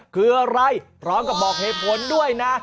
คืออะไรพร้อมกับบอกเหตุผลด้วยนะ